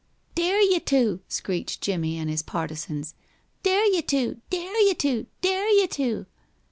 "Dare you to!" screeched Jimmie and his partisans. "Dare you to! Dare you to! Dare you to!"